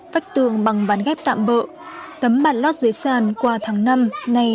phách tường bằng ván ghép tạm bỡ tấm bàn lót dưới sàn qua tháng năm này